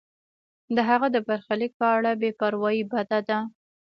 د هغه د برخلیک په اړه بې پروایی بده ده.